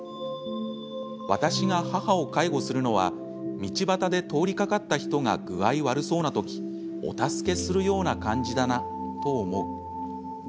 「私が母を介護するのは道端で通りかかった人が具合悪そうな時、お助けするような感じだなと思う。」